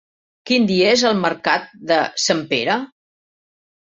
Quin dia és el mercat de Sempere?